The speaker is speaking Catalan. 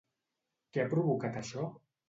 Què ha provocat això?